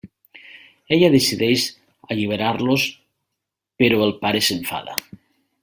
Ella decideix alliberar-los, però el pare s'enfada.